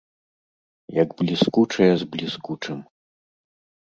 Як бліскучае з бліскучым.